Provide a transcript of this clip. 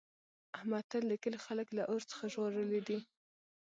احمد تل د کلي خلک له اور څخه ژغورلي دي.